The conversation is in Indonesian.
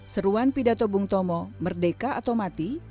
seruan pidato bung tomo merdeka atau mati